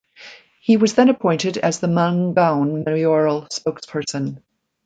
He was then appointed as the Mangaung mayoral spokesperson.